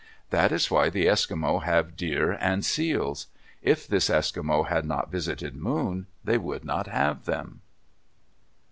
That is why the Eskimo have deer and seals. If this Eskimo had not visited Moon, they would not have them.